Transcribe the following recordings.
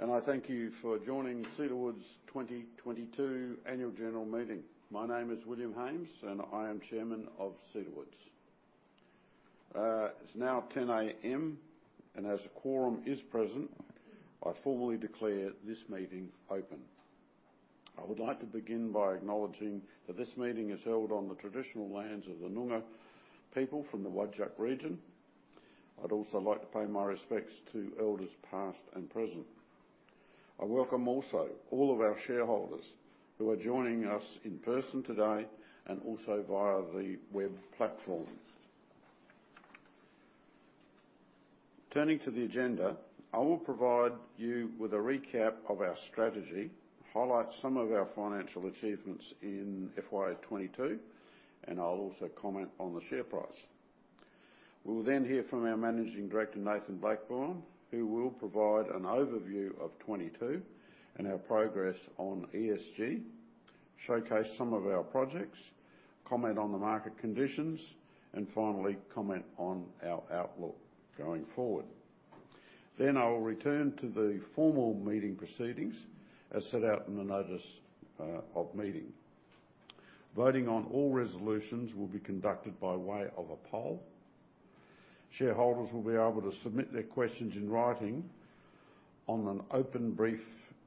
Good morning, and I thank you for joining Cedar Woods' 2022 Annual General Meeting. My name is William Hames, and I am Chairman of Cedar Woods. It's now 10:00 A.M., and as a quorum is present, I formally declare this meeting open. I would like to begin by acknowledging that this meeting is held on the traditional lands of the Noongar people from the Whadjuk region. I'd also like to pay my respects to elders past and present. I welcome also all of our shareholders who are joining us in person today and also via the web platform. Turning to the agenda, I will provide you with a recap of our strategy, highlight some of our financial achievements in FY22, and I'll also comment on the share price. We will then hear from our Managing Director, Nathan Blackburne, who will provide an overview of 2022 and our progress on ESG, showcase some of our projects, comment on the market conditions, and finally, comment on our outlook going forward. I will return to the formal meeting proceedings as set out in the notice of meeting. Voting on all resolutions will be conducted by way of a poll. Shareholders will be able to submit their questions in writing on an open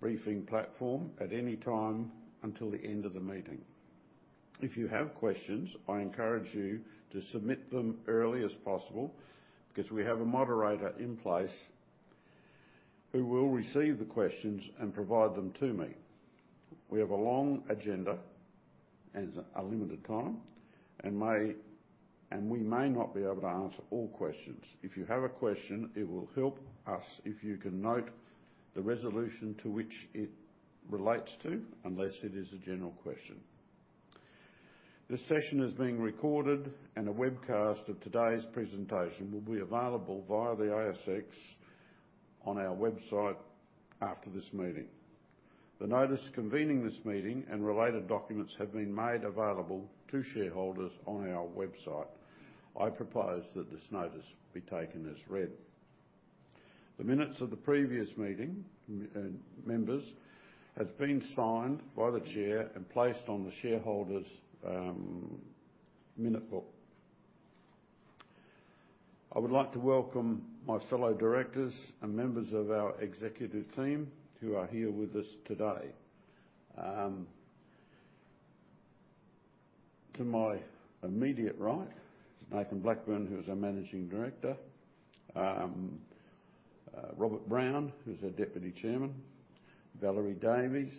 briefing platform at any time until the end of the meeting. If you have questions, I encourage you to submit them early as possible because we have a moderator in place who will receive the questions and provide them to me. We have a long agenda and a limited time, and we may not be able to answer all questions. If you have a question, it will help us if you can note the resolution to which it relates to, unless it is a general question. This session is being recorded, and a webcast of today's presentation will be available via the ASX on our website after this meeting. The notice convening this meeting and related documents have been made available to shareholders on our website. I propose that this notice be taken as read. The minutes of the previous meeting have been signed by the chair and placed on the shareholders' minute book. I would like to welcome my fellow directors and members of our executive team who are here with us today. To my immediate right is Nathan Blackburne, who is our Managing Director; Robert Brown, who's our Deputy Chairman; Valerie Davies;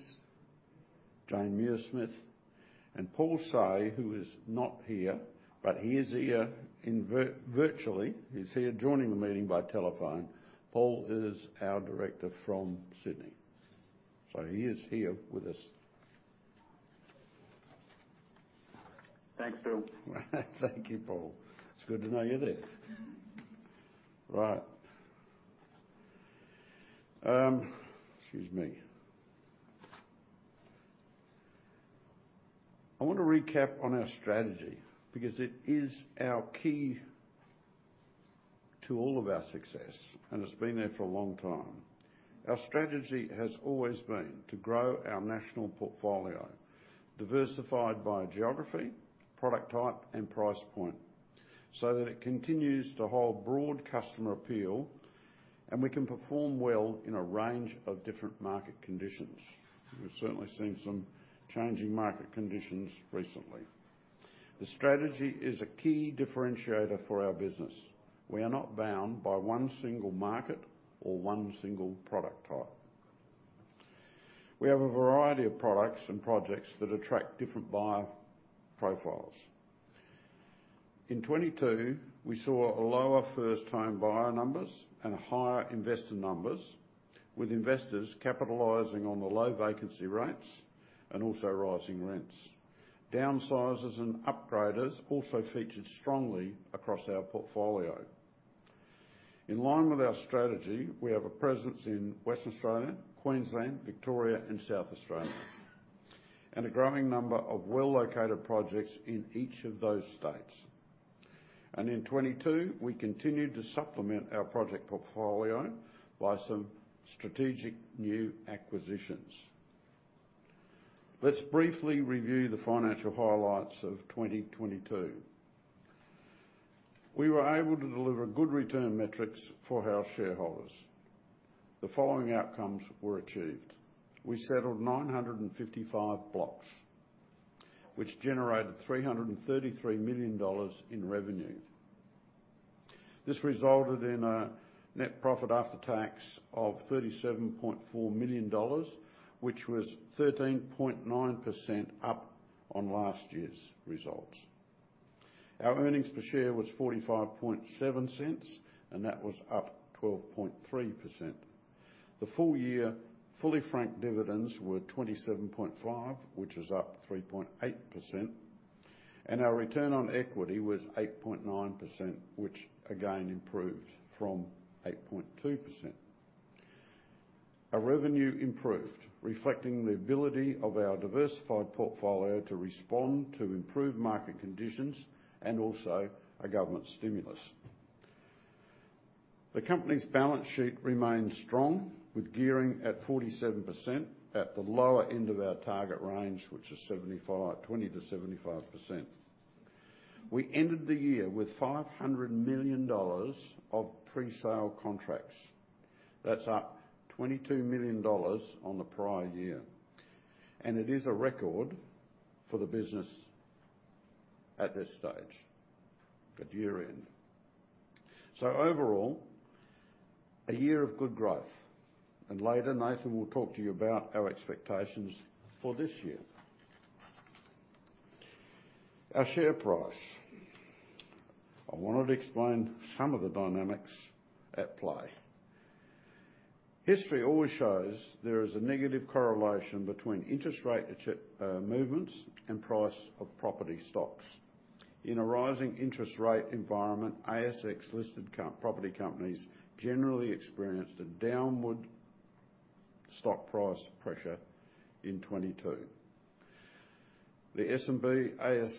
Jane Muirsmith; and Paul Say, who is not here, but he is here virtually. He's here joining the meeting by telephone. Paul is our director from Sydney. He is here with us. Thanks, Bill. Thank you, Paul. It's good to know you're there. Right. Excuse me. I want to recap on our strategy because it is our key to all of our success, and it's been there for a long time. Our strategy has always been to grow our national portfolio, diversified by geography, product type, and price point, so that it continues to hold broad customer appeal, and we can perform well in a range of different market conditions. We've certainly seen some changing market conditions recently. The strategy is a key differentiator for our business. We are not bound by one single market or one single product type. We have a variety of products and projects that attract different buyer profiles. In 2022, we saw lower first-time buyer numbers and higher investor numbers, with investors capitalizing on the low vacancy rates and also rising rents. Downsizes and upgraders also featured strongly across our portfolio. In line with our strategy, we have a presence in Western Australia, Queensland, Victoria, and South Australia, and a growing number of well-located projects in each of those states. In 2022, we continued to supplement our project portfolio by some strategic new acquisitions. Let's briefly review the financial highlights of 2022. We were able to deliver good return metrics for our shareholders. The following outcomes were achieved. We settled 955 blocks, which generated 333 million dollars in revenue. This resulted in a net profit after tax of 37.4 million dollars, which was 13.9% up on last year's results. Our earnings per share was 0.457, and that was up 12.3%. The full year fully franked dividends were 27.5, which was up 3.8%, and our return on equity was 8.9%, which again improved from 8.2%. Our revenue improved, reflecting the ability of our diversified portfolio to respond to improved market conditions, and also a government stimulus. The company's balance sheet remains strong, with gearing at 47%, at the lower end of our target range, which is 20%-75%. We ended the year with 500 million dollars of presale contracts. That's up 22 million dollars on the prior year, and it is a record for the business at this stage at year-end. Overall, a year of good growth, and later, Nathan will talk to you about our expectations for this year. Our share price. I wanted to explain some of the dynamics at play. History always shows there is a negative correlation between interest rate movements and price of property stocks. In a rising interest rate environment, ASX-listed property companies generally experienced a downward stock price pressure in 2022. The S&P/ASX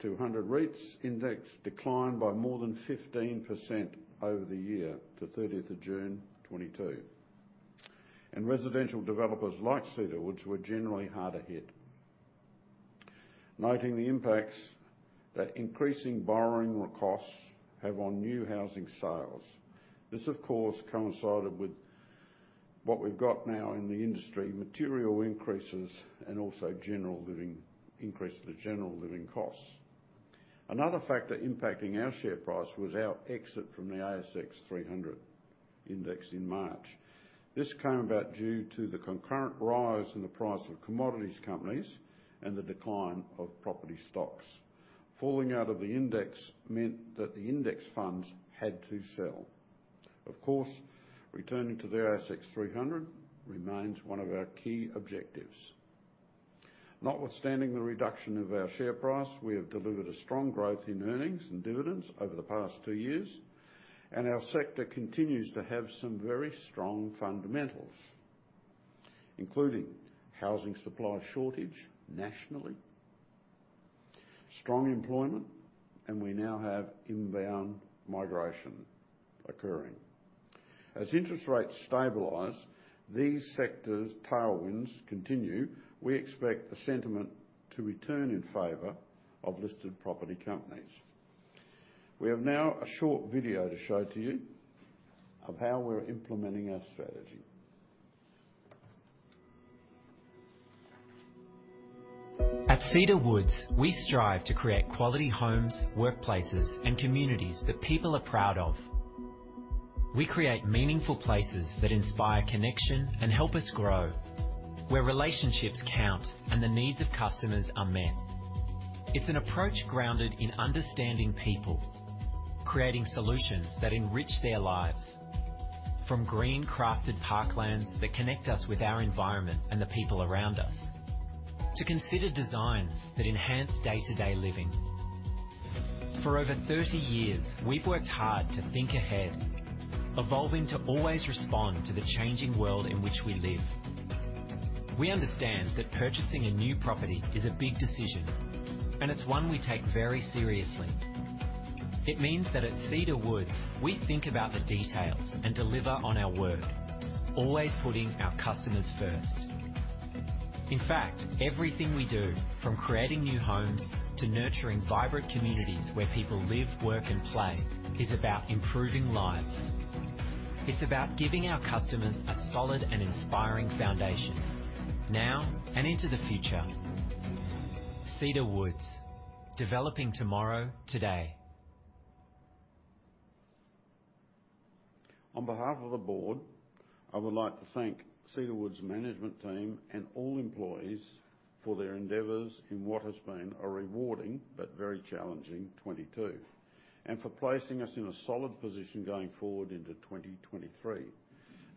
200 A-REIT Index declined by more than 15% over the year to 30th of June 2022. Residential developers like Cedar Woods were generally harder hit. Noting the impacts that increasing borrowing costs have on new housing sales. This, of course, coincided with what we've got now in the industry, material increases and also increases in general living costs. Another factor impacting our share price was our exit from the S&P/ASX 300 index in March. This came about due to the concurrent rise in the price of commodities companies and the decline of property stocks. Falling out of the index meant that the index funds had to sell. Of course, returning to the ASX 300 remains one of our key objectives. Notwithstanding the reduction of our share price, we have delivered a strong growth in earnings and dividends over the past two years, and our sector continues to have some very strong fundamentals, including housing supply shortage nationally, strong employment, and we now have inbound migration occurring. As interest rates stabilize, these sectors' tailwinds continue. We expect the sentiment to return in favor of listed property companies. We have now a short video to show to you of how we're implementing our strategy. At Cedar Woods, we strive to create quality homes, workplaces, and communities that people are proud of. We create meaningful places that inspire connection and help us grow. Where relationships count and the needs of customers are met. It's an approach grounded in understanding people, creating solutions that enrich their lives. From green-crafted parklands that connect us with our environment and the people around us, to considerate designs that enhance day-to-day living. For over 30 years, we've worked hard to think ahead, evolving to always respond to the changing world in which we live. We understand that purchasing a new property is a big decision, and it's one we take very seriously. It means that at Cedar Woods, we think about the details and deliver on our word, always putting our customers first. In fact, everything we do, from creating new homes to nurturing vibrant communities where people live, work, and play, is about improving lives. It's about giving our customers a solid and inspiring foundation, now and into the future. Cedar Woods, developing tomorrow today. On behalf of the board, I would like to thank Cedar Woods' management team and all employees for their endeavors in what has been a rewarding but very challenging 2022, and for placing us in a solid position going forward into 2023.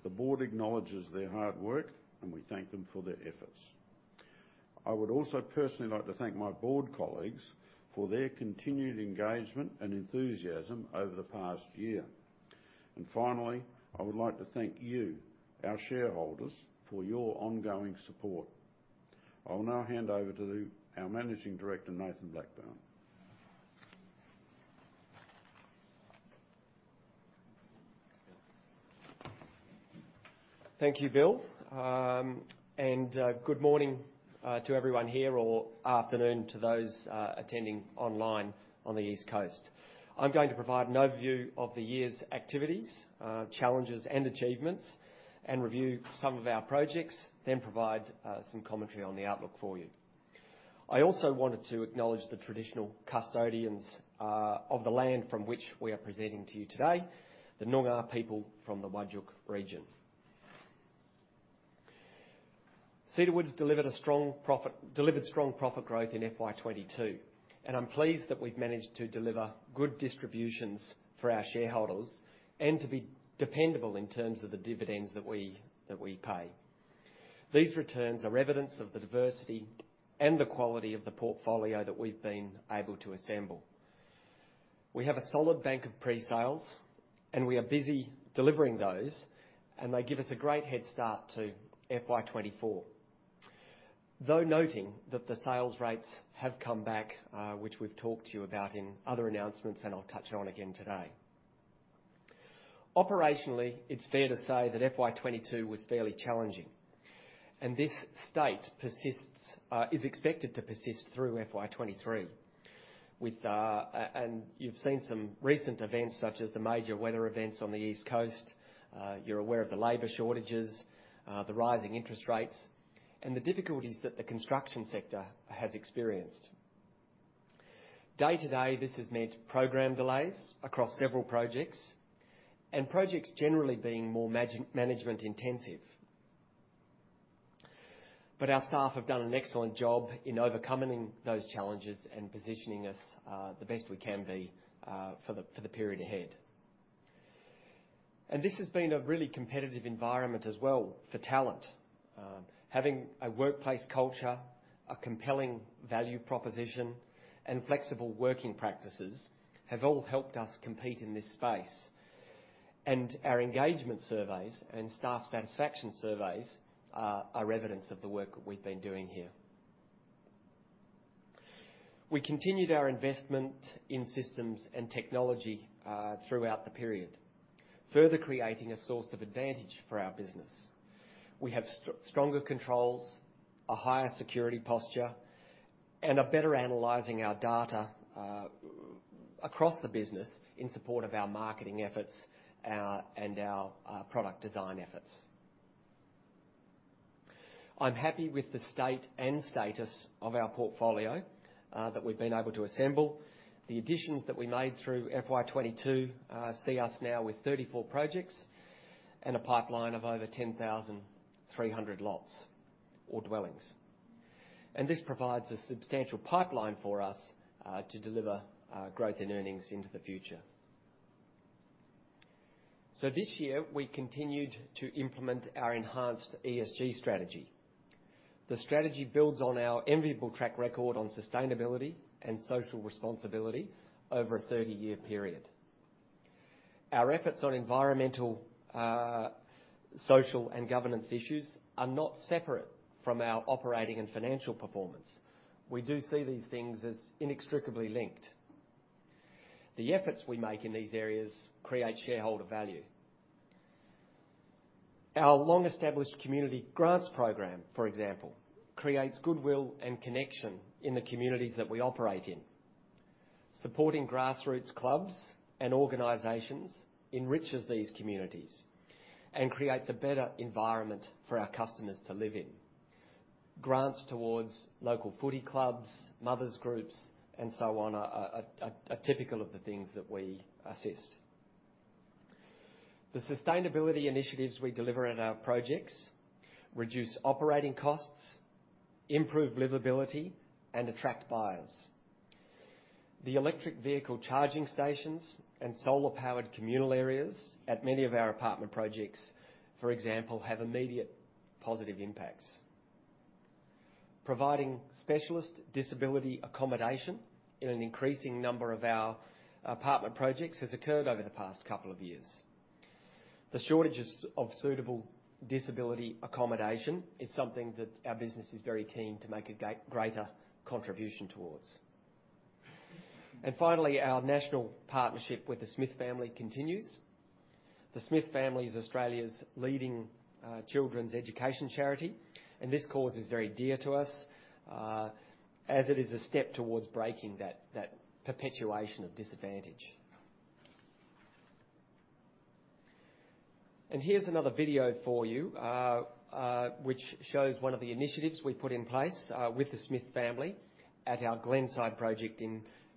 The board acknowledges their hard work, and we thank them for their efforts. I would also personally like to thank my board colleagues for their continued engagement and enthusiasm over the past year. Finally, I would like to thank you, our shareholders, for your ongoing support. I will now hand over to our Managing Director, Nathan Blackburne. Thank you, Bill. Good morning to everyone here or afternoon to those attending online on the East Coast. I'm going to provide an overview of the year's activities, challenges, and achievements, and review some of our projects, then provide some commentary on the outlook for you. I also wanted to acknowledge the traditional custodians of the land from which we are presenting to you today, the Noongar people from the Whadjuk region. Cedar Woods delivered strong profit growth in FY22, and I'm pleased that we've managed to deliver good distributions for our shareholders and to be dependable in terms of the dividends that we pay. These returns are evidence of the diversity and the quality of the portfolio that we've been able to assemble. We have a solid bank of pre-sales, and we are busy delivering those, and they give us a great head start to FY24. Though noting that the sales rates have come back, which we've talked to you about in other announcements, and I'll touch on again today. Operationally, it's fair to say that FY22 was fairly challenging, and this state persists, is expected to persist through FY23 with, and you've seen some recent events, such as the major weather events on the East Coast. You're aware of the labor shortages, the rising interest rates, and the difficulties that the construction sector has experienced. Day-to-day, this has meant program delays across several projects and projects generally being more man-management intensive. Our staff have done an excellent job in overcoming those challenges and positioning us the best we can be for the period ahead. This has been a really competitive environment as well for talent. Having a workplace culture, a compelling value proposition, and flexible working practices have all helped us compete in this space. Our engagement surveys and staff satisfaction surveys are evidence of the work that we've been doing here. We continued our investment in systems and technology throughout the period, further creating a source of advantage for our business. We have stronger controls, a higher security posture, and are better analyzing our data across the business in support of our marketing efforts and our product design efforts. I'm happy with the state and status of our portfolio that we've been able to assemble. The additions that we made through FY22 see us now with 34 projects and a pipeline of over 10,300 lots or dwellings. This provides a substantial pipeline for us to deliver growth and earnings into the future. This year, we continued to implement our enhanced ESG strategy. The strategy builds on our enviable track record on sustainability and social responsibility over a 30-year period. Our efforts on environmental, social, and governance issues are not separate from our operating and financial performance. We do see these things as inextricably linked. The efforts we make in these areas create shareholder value. Our long-established community grants program, for example, creates goodwill and connection in the communities that we operate in. Supporting grassroots clubs and organizations enriches these communities and creates a better environment for our customers to live in. Grants towards local footy clubs, mothers groups, and so on are typical of the things that we assist. The sustainability initiatives we deliver at our projects reduce operating costs, improve livability, and attract buyers. The electric vehicle charging stations and solar-powered communal areas at many of our apartment projects, for example, have immediate positive impacts. Providing specialist disability accommodation in an increasing number of our apartment projects has occurred over the past couple of years. The shortages of suitable disability accommodation is something that our business is very keen to make a greater contribution towards. Finally, our national partnership with The Smith Family continues. The Smith Family is Australia's leading children's education charity, and this cause is very dear to us as it is a step towards breaking that perpetuation of disadvantage. Here's another video for you, which shows one of the initiatives we put in place with The Smith Family at our Glenside project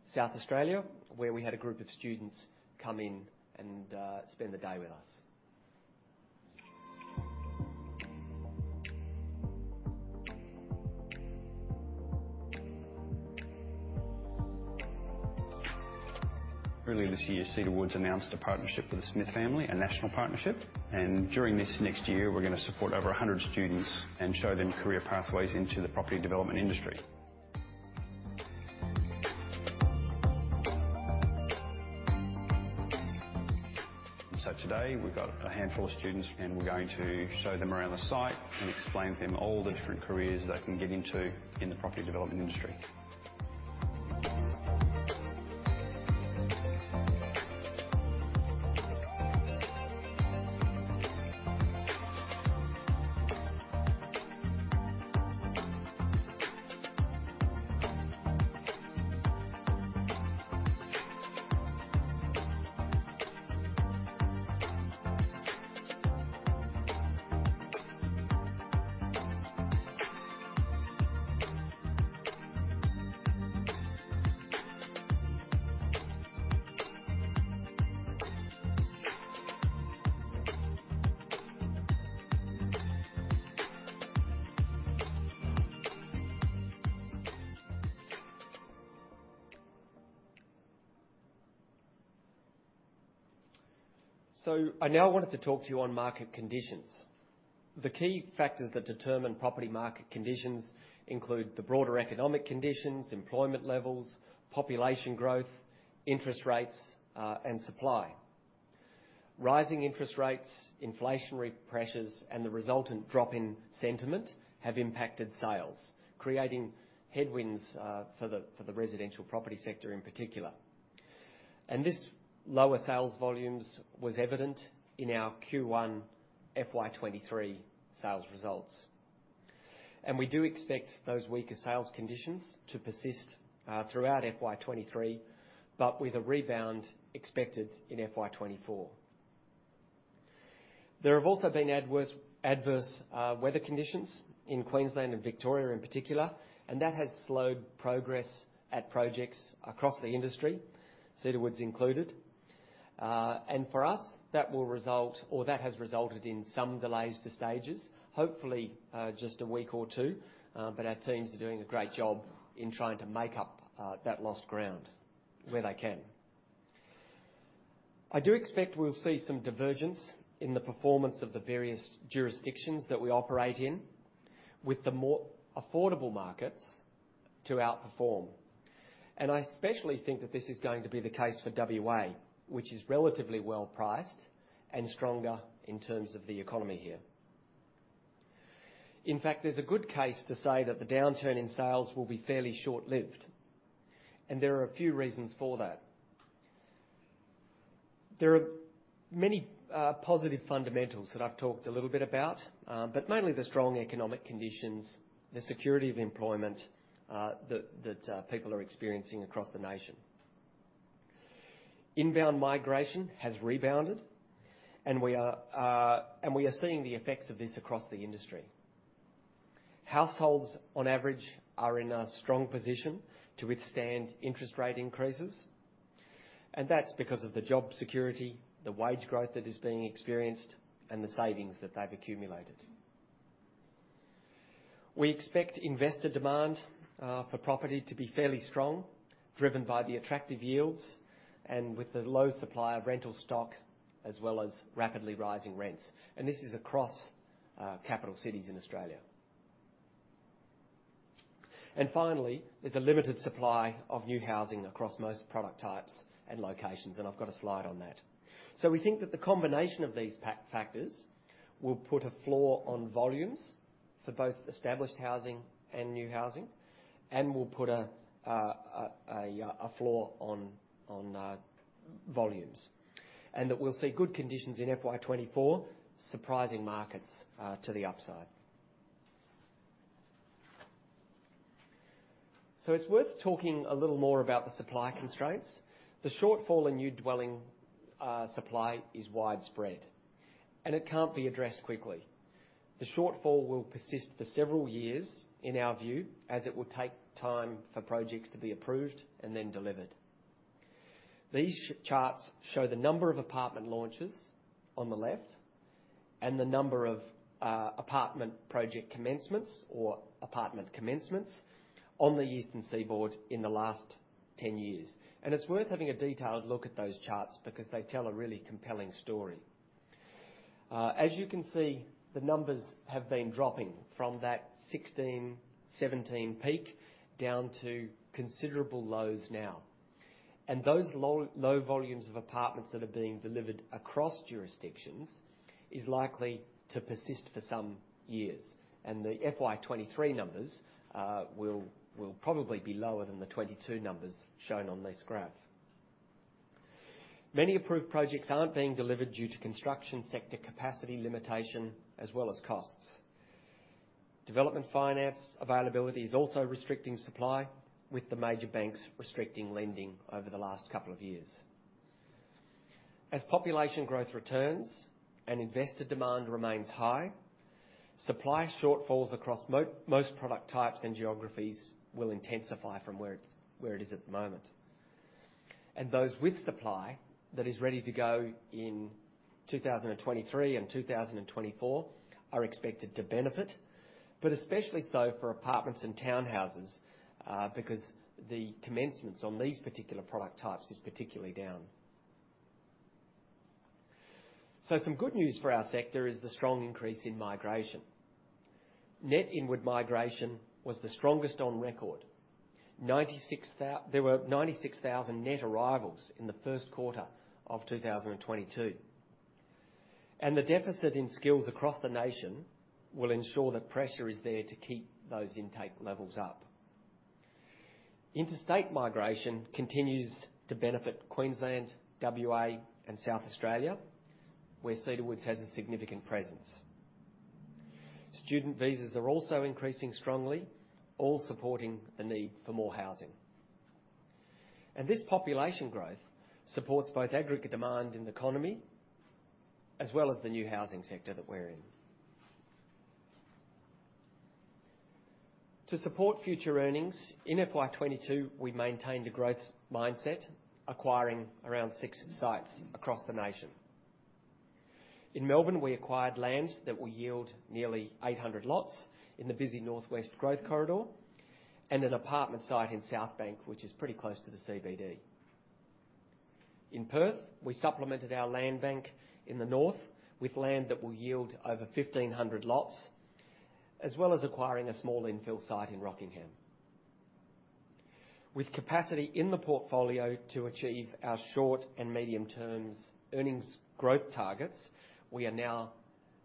in South Australia, where we had a group of students come in and spend the day with us. Earlier this year, Cedar Woods announced a partnership with The Smith Family, a national partnership. During this next year, we're gonna support over a hundred students and show them career pathways into the property development industry. Today, we've got a handful of students, and we're going to show them around the site and explain to them all the different careers they can get into in the property development industry. I now wanted to talk to you on market conditions. The key factors that determine property market conditions include the broader economic conditions, employment levels, population growth, interest rates, and supply. Rising interest rates, inflationary pressures, and the resultant drop in sentiment have impacted sales, creating headwinds for the residential property sector in particular. This lower sales volumes was evident in our Q1 FY23 sales results. We do expect those weaker sales conditions to persist throughout FY23, but with a rebound expected in FY24. There have also been adverse weather conditions in Queensland and Victoria in particular, and that has slowed progress at projects across the industry, Cedar Woods included. For us, that will result or that has resulted in some delays to stages, hopefully just a week or two, but our teams are doing a great job in trying to make up that lost ground where they can. I do expect we'll see some divergence in the performance of the various jurisdictions that we operate in, with the more affordable markets to outperform. I especially think that this is going to be the case for WA, which is relatively well-priced and stronger in terms of the economy here. In fact, there's a good case to say that the downturn in sales will be fairly short-lived, and there are a few reasons for that. There are many positive fundamentals that I've talked a little bit about, but mainly the strong economic conditions, the security of employment, that people are experiencing across the nation. Inbound migration has rebounded, and we are seeing the effects of this across the industry. Households, on average, are in a strong position to withstand interest rate increases, and that's because of the job security, the wage growth that is being experienced, and the savings that they've accumulated. We expect investor demand for property to be fairly strong, driven by the attractive yields and with the low supply of rental stock as well as rapidly rising rents. This is across capital cities in Australia. Finally, there's a limited supply of new housing across most product types and locations, and I've got a slide on that. We think that the combination of these factors will put a floor on volumes for both established housing and new housing and will put a floor on volumes and that we'll see good conditions in FY24 surprising markets to the upside. It's worth talking a little more about the supply constraints. The shortfall in new dwelling supply is widespread, and it can't be addressed quickly. The shortfall will persist for several years in our view as it will take time for projects to be approved and then delivered. These charts show the number of apartment launches on the left and the number of apartment project commencements or apartment commencements on the eastern seaboard in the last 10 years. It's worth having a detailed look at those charts because they tell a really compelling story. As you can see, the numbers have been dropping from that 16-17 peak down to considerable lows now. Those low volumes of apartments that are being delivered across jurisdictions is likely to persist for some years. The FY23 numbers will probably be lower than the 2022 numbers shown on this graph. Many approved projects aren't being delivered due to construction sector capacity limitation as well as costs. Development finance availability is also restricting supply, with the major banks restricting lending over the last couple of years. As population growth returns and investor demand remains high, supply shortfalls across most product types and geographies will intensify from where it is at the moment. Those with supply that is ready to go in 2023 and 2024 are expected to benefit, but especially so for apartments and townhouses, because the commencements on these particular product types is particularly down. Some good news for our sector is the strong increase in migration. Net inward migration was the strongest on record. There were 96,000 net arrivals in the first quarter of 2022. The deficit in skills across the nation will ensure that pressure is there to keep those intake levels up. Interstate migration continues to benefit Queensland, WA, and South Australia, where Cedar Woods has a significant presence. Student visas are also increasing strongly, all supporting the need for more housing. This population growth supports both aggregate demand in the economy as well as the new housing sector that we're in. To support future earnings, in FY22, we maintained a growth mindset, acquiring around six sites across the nation. In Melbourne, we acquired lands that will yield nearly 800 lots in the busy northwest growth corridor and an apartment site in Southbank, which is pretty close to the CBD. In Perth, we supplemented our land bank in the north with land that will yield over 1,500 lots, as well as acquiring a small infill site in Rockingham. With capacity in the portfolio to achieve our short and medium term's earnings growth targets, we are now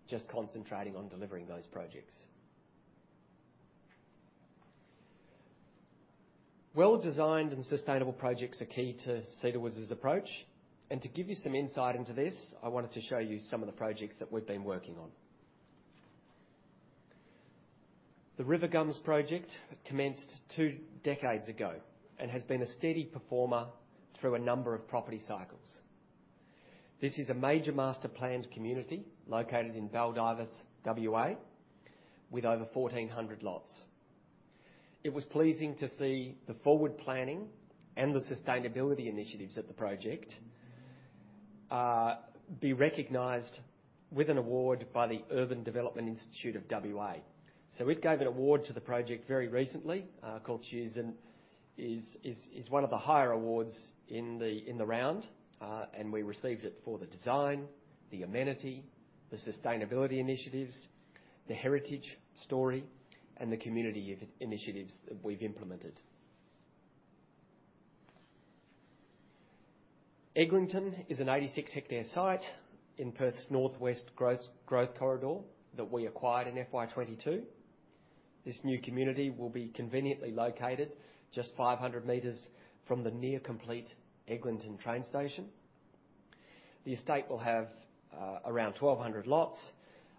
just concentrating on delivering those projects. Well-designed and sustainable projects are key to Cedar Woods' approach. To give you some insight into this, I wanted to show you some of the projects that we've been working on. The Rivergums project commenced two decades ago and has been a steady performer through a number of property cycles. This is a major master-planned community located in Baldivis, WA, with over 1,400 lots. It was pleasing to see the forward planning and the sustainability initiatives at the project be recognized with an award by the Urban Development Institute of WA. We've gave an award to the project very recently, called EnviroDevelopment, and is one of the higher awards in the round. We received it for the design, the amenity, the sustainability initiatives, the heritage story, and the community initiatives that we've implemented. Eglinton is an 86-hectare site in Perth's northwest growth corridor that we acquired in FY 2022. This new community will be conveniently located just 500 meters from the nearly complete Eglinton train station. The estate will have around 1,200 lots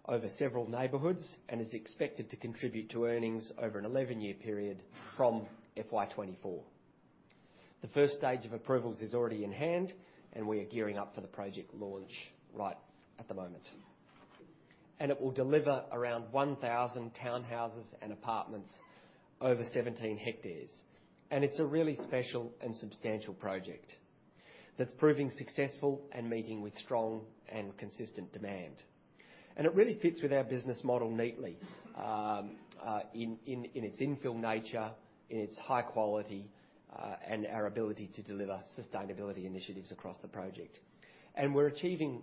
over several neighborhoods and is expected to contribute to earnings over an 11-year period from FY 2024. The first stage of approvals is already in hand, and we are gearing up for the project launch right at the moment. It will deliver around 1,000 townhouses and apartments over 17 hectares. It's a really special and substantial project that's proving successful and meeting with strong and consistent demand. It really fits with our business model neatly, in its infill nature, in its high quality, and our ability to deliver sustainability initiatives across the project. We're achieving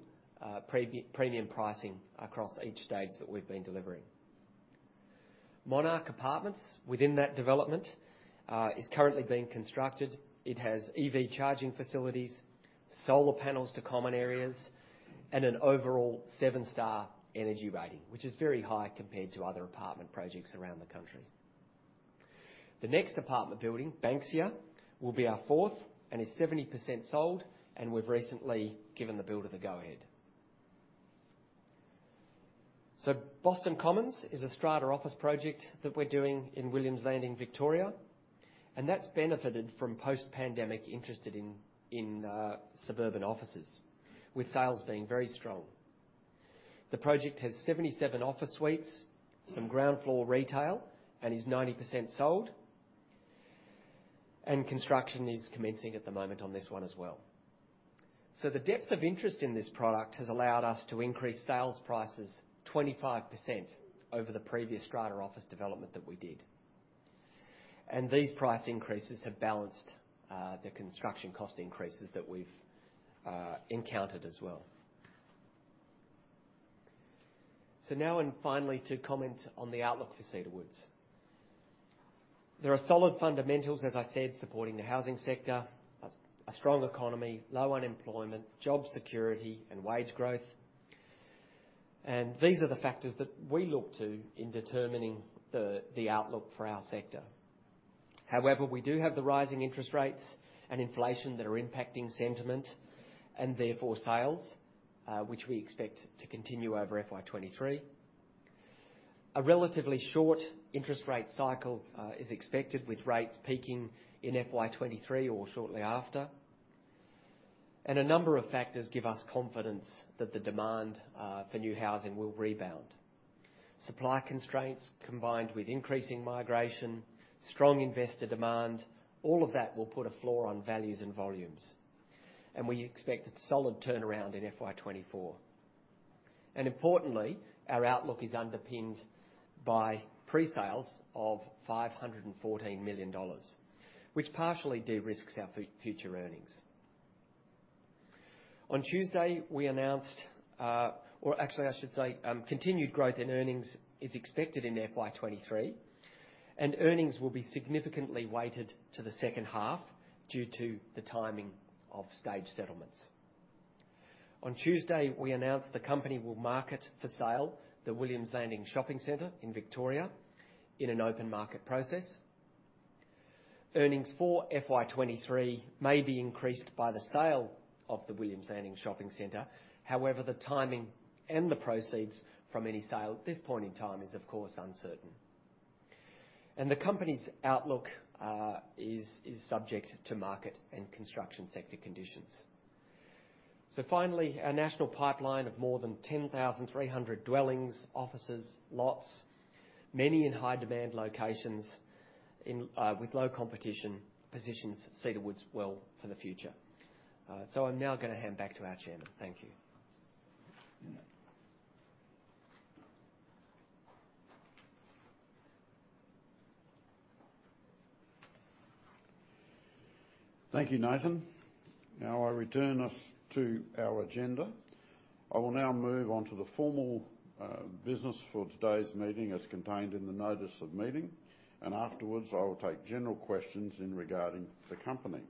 premium pricing across each stage that we've been delivering. Monarch Apartments within that development is currently being constructed. It has EV charging facilities, solar panels to common areas, and an overall seven-star energy rating, which is very high compared to other apartment projects around the country. The next apartment building, Banksia, will be our fourth and is 70% sold, and we've recently given the builder the go-ahead. Boston Commons is a strata office project that we're doing in Williams Landing, Victoria, and that's benefited from post-pandemic interest in suburban offices, with sales being very strong. The project has 77 office suites, some ground floor retail, and is 90% sold. Construction is commencing at the moment on this one as well. The depth of interest in this product has allowed us to increase sales prices 25% over the previous strata office development that we did. These price increases have balanced the construction cost increases that we've encountered as well. Now and finally, to comment on the outlook for Cedar Woods. There are solid fundamentals, as I said, supporting the housing sector, a strong economy, low unemployment, job security, and wage growth. These are the factors that we look to in determining the outlook for our sector. However, we do have the rising interest rates and inflation that are impacting sentiment and therefore sales, which we expect to continue over FY23. A relatively short interest rate cycle is expected, with rates peaking in FY23 or shortly after. A number of factors give us confidence that the demand for new housing will rebound. Supply constraints combined with increasing migration, strong investor demand, all of that will put a floor on values and volumes. We expect a solid turnaround in FY24. Importantly, our outlook is underpinned by pre-sales of 514 million dollars, which partially de-risks our future earnings. On Tuesday, we announced continued growth in earnings is expected in FY23, and earnings will be significantly weighted to the second half due to the timing of stage settlements. On Tuesday, we announced the company will market for sale the Williams Landing Shopping Centre in Victoria in an open market process. Earnings for FY23 may be increased by the sale of the Williams Landing Shopping Centre. However, the timing and the proceeds from any sale at this point in time is, of course, uncertain. The company's outlook is subject to market and construction sector conditions. Finally, our national pipeline of more than 10,300 dwellings, offices, lots. Many in high-demand locations with low competition positions Cedar Woods well for the future. I'm now gonna hand back to our chairman. Thank you. Thank you, Nathan. Now, I return us to our agenda. I will now move on to the formal business for today's meeting as contained in the notice of meeting, and afterwards, I will take general questions regarding the company.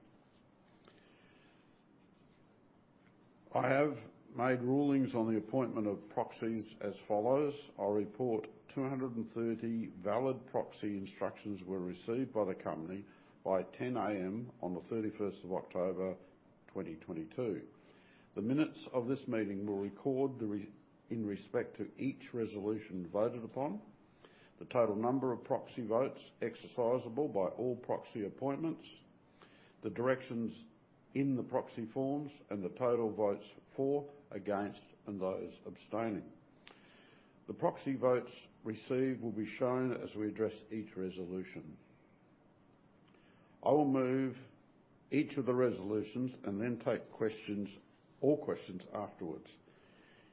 I have made rulings on the appointment of proxies as follows. I report 230 valid proxy instructions were received by the company by 10:00 A.M. on the 31st of October, 2022. The minutes of this meeting will record the number in respect to each resolution voted upon, the total number of proxy votes exercisable by all proxy appointments, the directions in the proxy forms, and the total votes for, against, and those abstaining. The proxy votes received will be shown as we address each resolution. I will move each of the resolutions and then take questions or questions afterwards.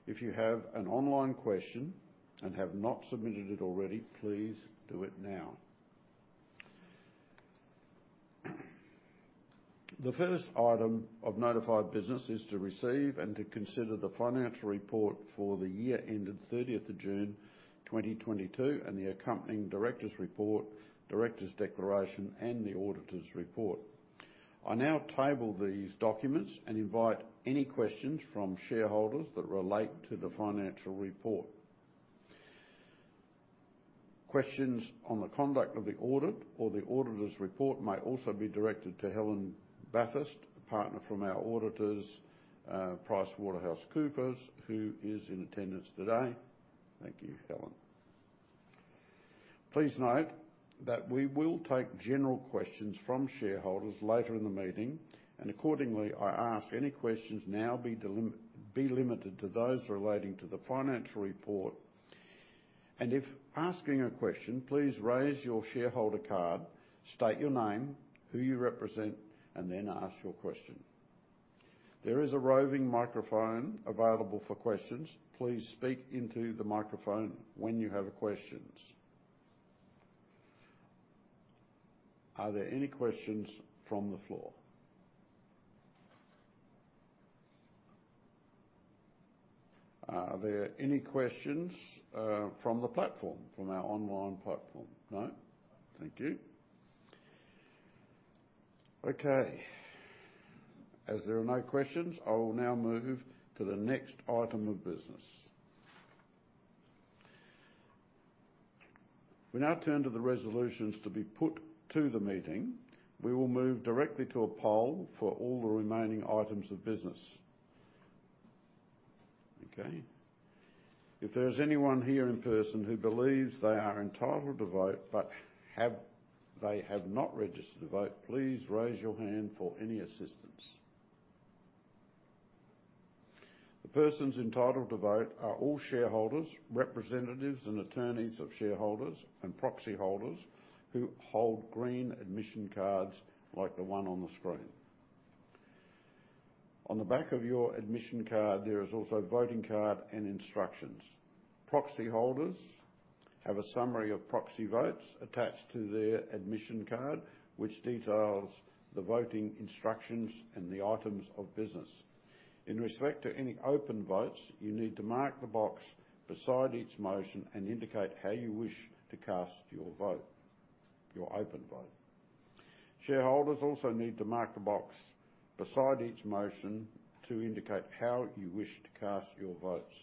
If you have an online question and have not submitted it already, please do it now. The first item of notified business is to receive and to consider the financial report for the year ended thirtieth of June, 2022, and the accompanying director's report, director's declaration, and the auditor's report. I now table these documents and invite any questions from shareholders that relate to the financial report. Questions on the conduct of the audit or the auditor's report may also be directed to Helen Bathurst, a partner from our auditors, PricewaterhouseCoopers, who is in attendance today. Thank you, Helen. Please note that we will take general questions from shareholders later in the meeting, and accordingly, I ask any questions now be limited to those relating to the financial report. If asking a question, please raise your shareholder card, state your name, who you represent, and then ask your question. There is a roving microphone available for questions. Please speak into the microphone when you have questions. Are there any questions from the floor? Are there any questions from the platform? From our online platform? No? Thank you. Okay. As there are no questions, I will now move to the next item of business. We now turn to the resolutions to be put to the meeting. We will move directly to a poll for all the remaining items of business. Okay. If there's anyone here in person who believes they are entitled to vote, but they have not registered to vote, please raise your hand for any assistance. The persons entitled to vote are all shareholders, representatives, and attorneys of shareholders, and proxy holders who hold green admission cards like the one on the screen. On the back of your admission card, there is also a voting card and instructions. Proxy holders have a summary of proxy votes attached to their admission card, which details the voting instructions and the items of business. In respect to any open votes, you need to mark the box beside each motion and indicate how you wish to cast your vote, your open vote. Shareholders also need to mark the box beside each motion to indicate how you wish to cast your votes.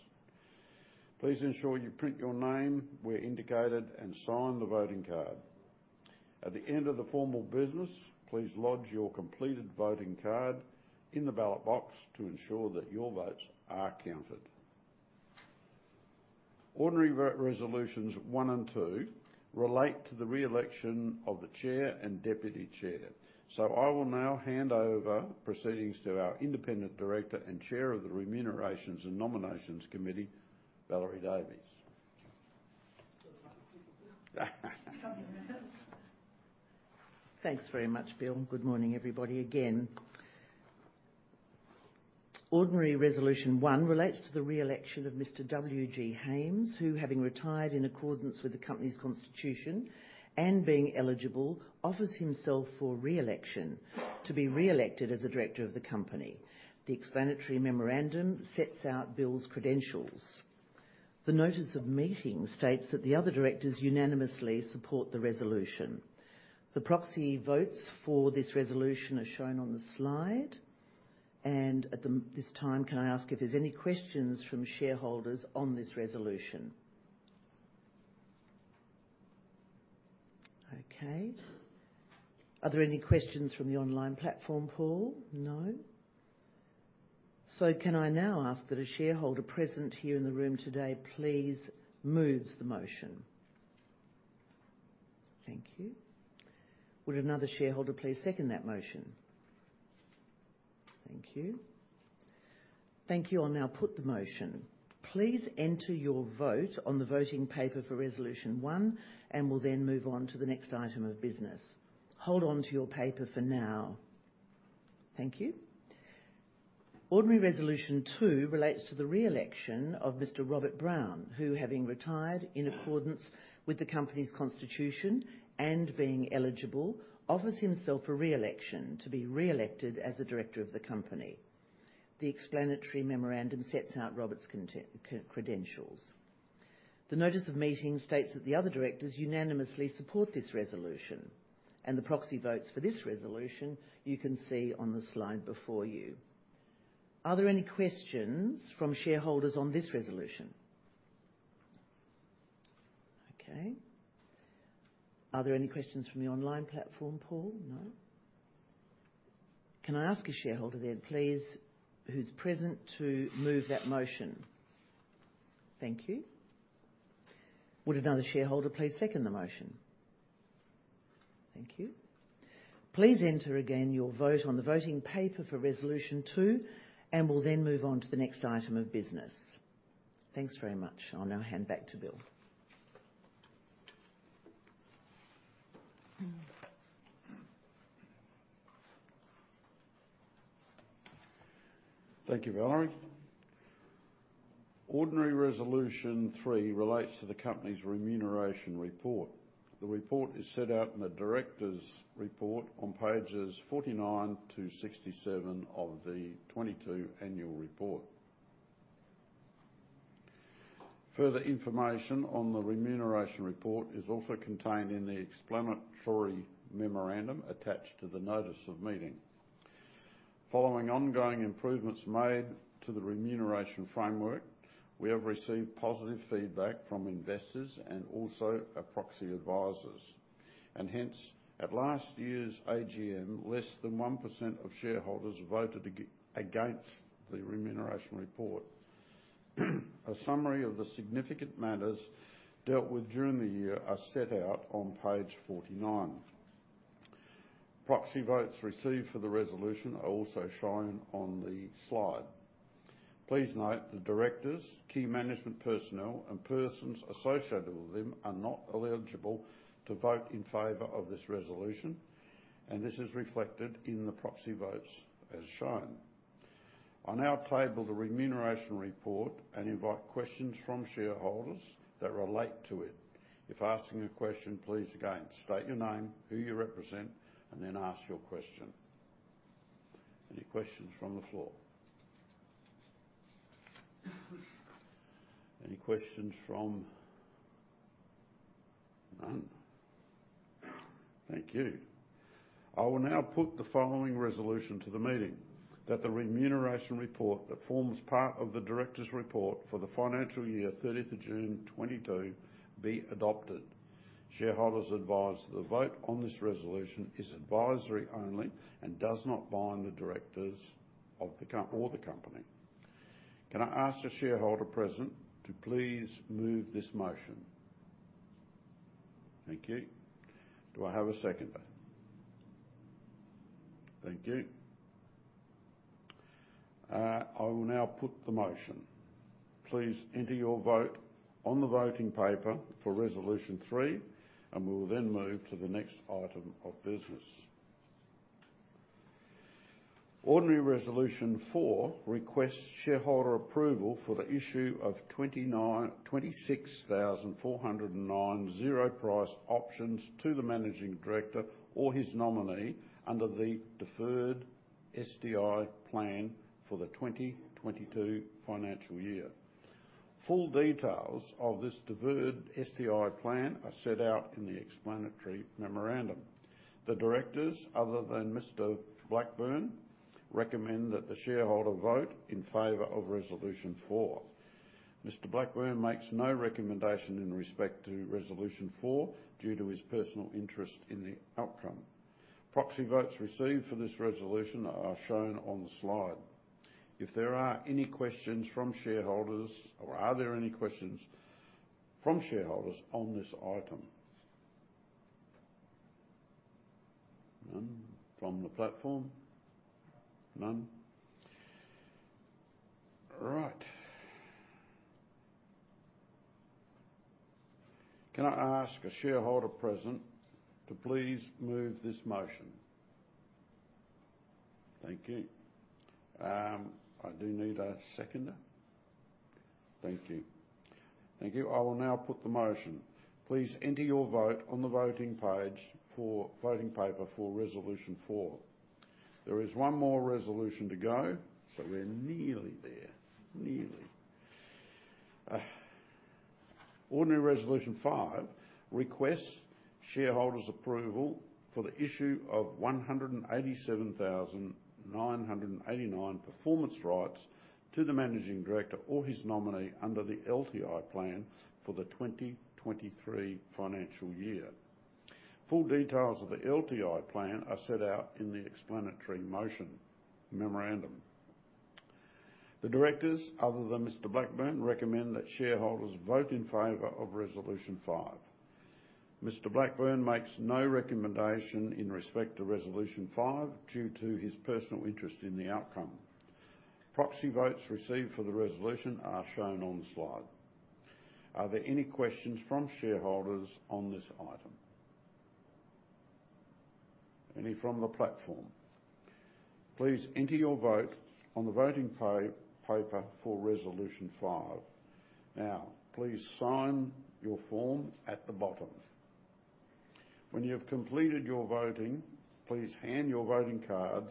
Please ensure you print your name where indicated and sign the voting card. At the end of the formal business, please lodge your completed voting card in the ballot box to ensure that your votes are counted. Ordinary Resolutions 1 and 2 relate to the re-election of the Chair and Deputy Chair. I will now hand over proceedings to our Independent Director and Chair of the Remuneration and Nominations Committee, Valerie Davies. Thanks very much, Bill. Good morning, everybody, again. Ordinary Resolution 1 relates to the re-election of Mr. W.G. Hames, who, having retired in accordance with the company's constitution and being eligible, offers himself for re-election to be re-elected as a director of the company. The explanatory memorandum sets out Bill's credentials. The notice of meeting states that the other directors unanimously support the resolution. The proxy votes for this resolution are shown on the slide. At this time, can I ask if there's any questions from shareholders on this resolution? Okay. Are there any questions from the online platform, Paul? No. Can I now ask that a shareholder present here in the room today please moves the motion? Thank you. Would another shareholder please second that motion? Thank you. Thank you. I'll now put the motion. Please enter your vote on the voting paper for Resolution 1, and we'll then move on to the next item of business. Hold on to your paper for now. Thank you. Ordinary Resolution 2 relates to the re-election of Mr. Robert Brown, who, having retired in accordance with the company's constitution and being eligible, offers himself for re-election to be re-elected as a director of the company. The explanatory memorandum sets out Robert's credentials. The notice of meeting states that the other directors unanimously support this resolution, and the proxy votes for this resolution, you can see on the slide before you. Are there any questions from shareholders on this resolution? Okay. Are there any questions from the online platform, Paul? No. Can I ask a shareholder then, please, who's present to move that motion? Thank you. Would another shareholder please second the motion? Thank you. Please enter again your vote on the voting paper for Resolution two, and we'll then move on to the next item of business. Thanks very much. I'll now hand back to Bill. Thank you, Valerie. Ordinary resolution three relates to the company's remuneration report. The report is set out in the director's report on pages 49 to 67 of the 2022 annual report. Further information on the remuneration report is also contained in the explanatory memorandum attached to the notice of meeting. Following ongoing improvements made to the remuneration framework, we have received positive feedback from investors and also our proxy advisors, and hence, at last year's AGM, less than 1% of shareholders voted against the remuneration report. A summary of the significant matters dealt with during the year are set out on page 49. Proxy votes received for the resolution are also shown on the slide. Please note the directors, key management personnel, and persons associated with them are not eligible to vote in favor of this resolution, and this is reflected in the proxy votes as shown. I now table the remuneration report and invite questions from shareholders that relate to it. If asking a question, please again state your name, who you represent, and then ask your question. Any questions from the floor? Any questions? None. Thank you. I will now put the following resolution to the meeting, that the remuneration report that forms part of the director's report for the financial year thirtieth of June 2022 be adopted. Shareholders are advised the vote on this resolution is advisory only and does not bind the directors of the company. Can I ask a shareholder present to please move this motion? Thank you. Do I have a seconder? Thank you. I will now put the motion. Please enter your vote on the voting paper for Resolution 3, and we will then move to the next item of business. Ordinary Resolution 4 requests shareholder approval for the issue of 26,409 zero-price options to the managing director or his nominee under the deferred STI plan for the 2022 financial year. Full details of this deferred STI plan are set out in the explanatory memorandum. The directors, other than Mr. Blackburne, recommend that the shareholder vote in favor of Resolution 4. Mr. Blackburne makes no recommendation in respect to Resolution 4 due to his personal interest in the outcome. Proxy votes received for this resolution are shown on the slide. If there are any questions from shareholders, or are there any questions from shareholders on this item? None. From the platform? None. Right. Can I ask a shareholder present to please move this motion? Thank you. I do need a seconder. Thank you. I will now put the motion. Please enter your vote on the voting page for voting paper for Resolution 4. There is one more resolution to go, but we're nearly there. Ordinary Resolution 5 requests shareholders' approval for the issue of 187,989 performance rights to the managing director or his nominee under the LTI plan for the 2023 financial year. Full details of the LTI plan are set out in the explanatory memorandum. The directors, other than Mr. Blackburn, recommend that shareholders vote in favor of Resolution 5. Mr. Blackburn makes no recommendation in respect to Resolution 5 due to his personal interest in the outcome. Proxy votes received for the resolution are shown on the slide. Are there any questions from shareholders on this item? Any from the platform? Please enter your vote on the voting paper for Resolution 5. Now, please sign your form at the bottom. When you've completed your voting, please hand your voting cards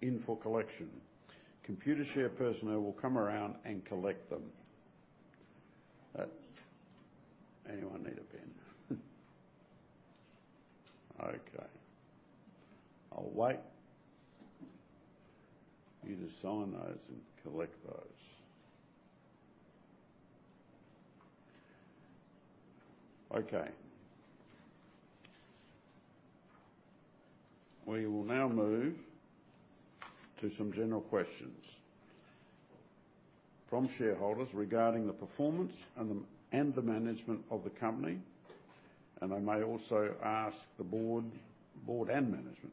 in for collection. Computershare personnel will come around and collect them. Anyone need a pen? Okay. I'll wait for you to sign those and collect those. Okay. We will now move to some general questions from shareholders regarding the performance and the management of the company, and I may also ask the board and management.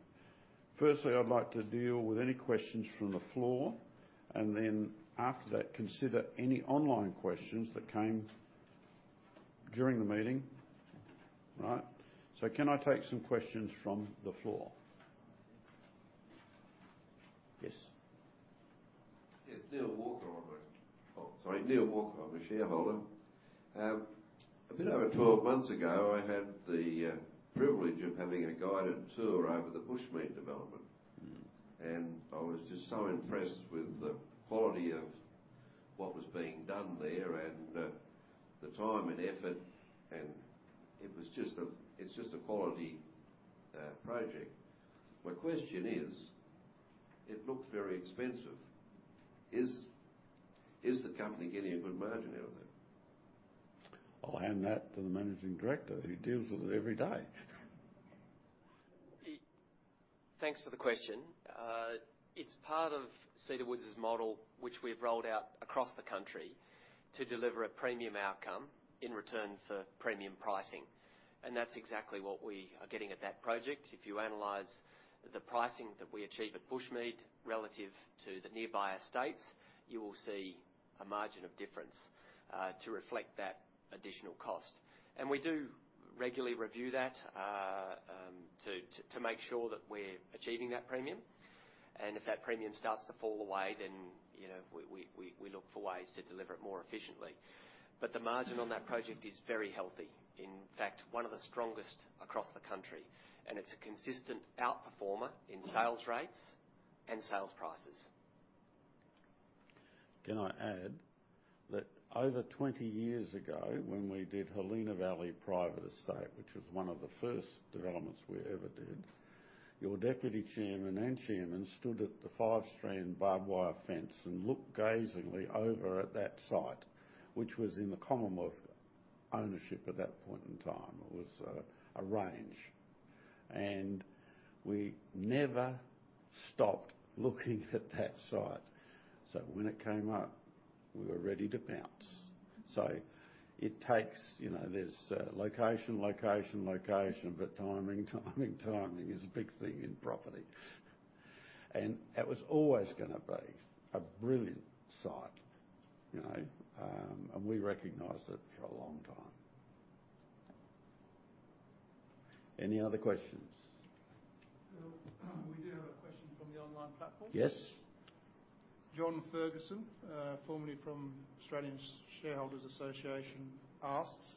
Firstly, I'd like to deal with any questions from the floor, and then after that, consider any online questions that came during the meeting. Right. So can I take some questions from the floor? Yes. Yes. Neil Walker. I'm a shareholder. A bit over 12 months ago, I had the privilege of having a guided tour over the Bushmead development. Mm-hmm. I was just so impressed with the quality of what was being done there and the time and effort, and it's just a quality project. My question is, it looked very expensive. Is the company getting a good margin out of it? I'll hand that to the managing director who deals with it every day. Thanks for the question. It's part of Cedar Woods' model, which we've rolled out across the country to deliver a premium outcome in return for premium pricing, and that's exactly what we are getting at that project. If you analyze the pricing that we achieve at Bushmead relative to the nearby estates, you will see a margin of difference to reflect that additional cost. We do regularly review that to make sure that we're achieving that premium. If that premium starts to fall away, you know, we look for ways to deliver it more efficiently. The margin on that project is very healthy. In fact, one of the strongest across the country, and it's a consistent outperformer in sales rates and sales prices. Can I add that over 20 years ago, when we did Helena Valley Private Estate, which was one of the first developments we ever did, your deputy chairman and chairman stood at the five-strand barbed wire fence and looked gazingly over at that site, which was in the Commonwealth ownership at that point in time. It was a range. We never stopped looking at that site. When it came up, we were ready to pounce. It takes, you know, there's location, location, but timing, timing is a big thing in property. That was always gonna be a brilliant site, you know, and we recognized it for a long time. Any other questions? Bill, we do have a question from the online platform. Yes. John Ferguson, formerly from Australian Shareholders' Association, asks,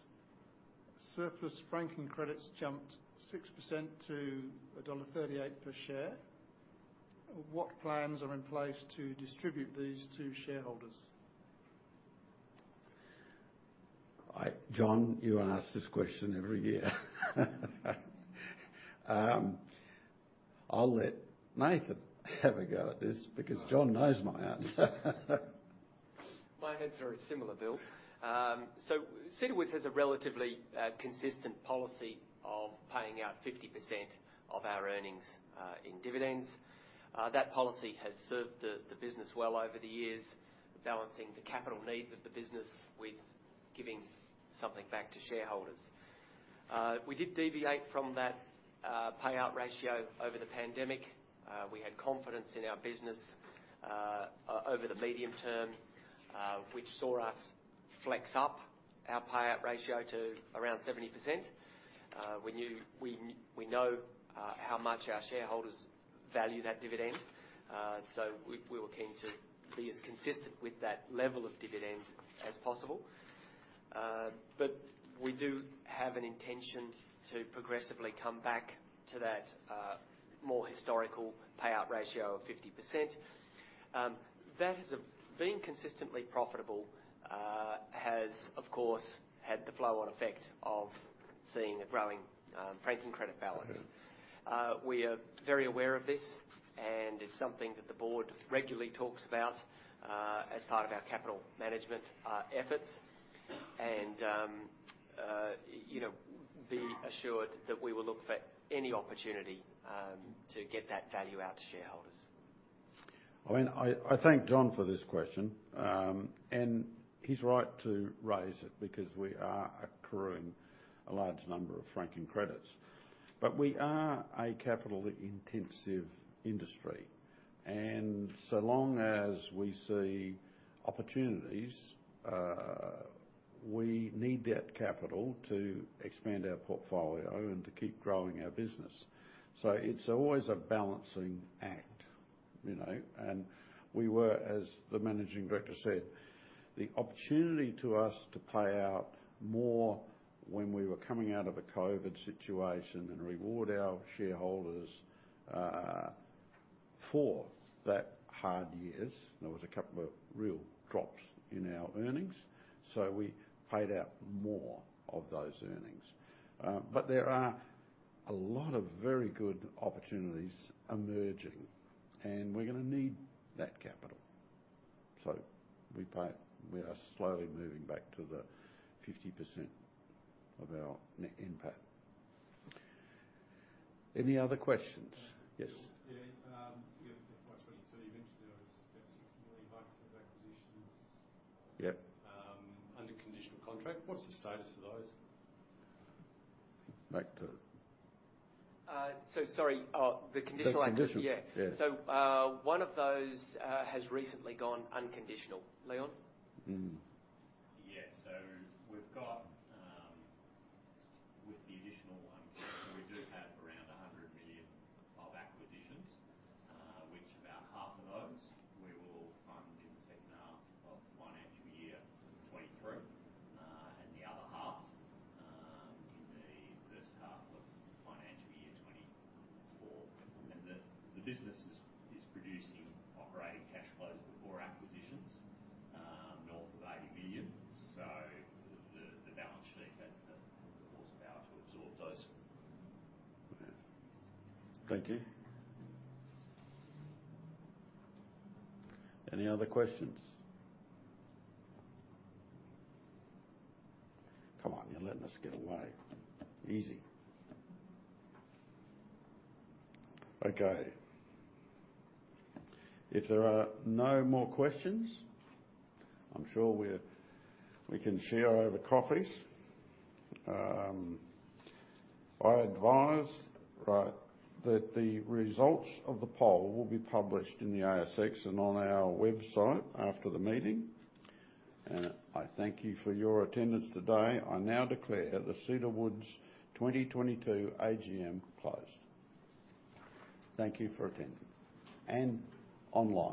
"Surplus franking credits jumped 6% to dollar 1.38 per share. What plans are in place to distribute these to shareholders? John, you ask this question every year. I'll let Nathan have a go at this because John knows my answer. My answer is similar, Bill. Cedar Woods has a relatively consistent policy of paying out 50% of our earnings in dividends. That policy has served the business well over the years, balancing the capital needs of the business with giving something back to shareholders. We did deviate from that payout ratio over the pandemic. We had confidence in our business over the medium term, which saw us flex up our payout ratio to around 70%. We know how much our shareholders value that dividend. We were keen to be as consistent with that level of dividend as possible. We do have an intention to progressively come back to that more historical payout ratio of 50%. That is a being consistently profitable has, of course, had the flow-on effect of seeing a growing franking credit balance. We are very aware of this, and it's something that the board regularly talks about, as part of our capital management efforts, you know, be assured that we will look for any opportunity to get that value out to shareholders. I mean, I thank John for this question. He's right to raise it because we are accruing a large number of franking credits. We are a capital-intensive industry, and so long as we see opportunities, we need that capital to expand our portfolio and to keep growing our business. It's always a balancing act, you know. We were, as the managing director said, the opportunity for us to pay out more when we were coming out of a COVID situation and reward our shareholders for those hard years. There was a couple of real drops in our earnings, so we paid out more of those earnings. There are a lot of very good opportunities emerging, and we're gonna need that capital. We are slowly moving back to the 50% of our net profit. Any other questions? Yes. Yeah, for 2022 you mentioned there was about AUD 60 million of acquisitions. Yep. Under conditional contract. What's the status of those? Back to... Sorry. The conditional. Yeah. Yeah. One of those has recently gone unconditional. Leon? We've got, with the additional one, we do have around AUD 100 million of acquisitions, which about half of those we will fund in the second half of financial year 2023. And the other half in the first half of financial year 2024. The business is producing operating cash flows before acquisitions north of AUD 80 million. The balance sheet has the horsepower to absorb those. Thank you. Any other questions? Come on, you're letting us get away easy. Okay. If there are no more questions, I'm sure we can share over coffees. I advise, right, that the results of the poll will be published in the ASX and on our website after the meeting. I thank you for your attendance today. I now declare the Cedar Woods 2022 AGM closed. Thank you for attending, and online.